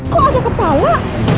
kok ada kepala